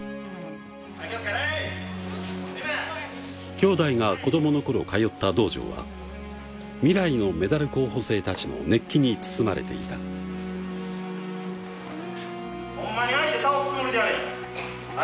兄妹が子供の頃通った道場は未来のメダル候補生たちの熱気に包まれていたホンマに相手倒すつもりでやれ！